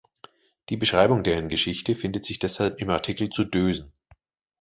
Die Beschreibung deren Geschichte findet sich deshalb im Artikel zu Dösen.